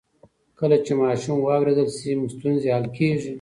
کله چې ماشوم واورېدل شي، ستونزې حل کېږي.